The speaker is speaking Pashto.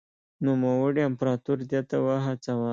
نوموړي امپراتور دې ته وهڅاوه.